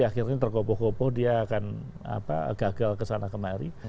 akhirnya tergoboh goboh dia akan gagal kesana kemari